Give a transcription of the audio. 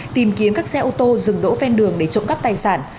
tìm kiếm các xe ô tô dừng đỗ ven đường để trộm cắp tài sản